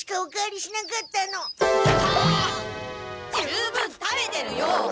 十分食べてるよ！